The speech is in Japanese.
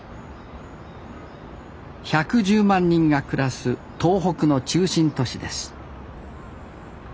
１１０万人が暮らす東北の中心都市です